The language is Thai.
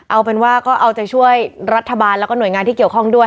เอาเป็นว่าก็เอาใจช่วยรัฐบาลแล้วก็หน่วยงานที่เกี่ยวข้องด้วย